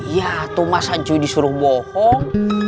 ya tuh masa cuy disuruh bohong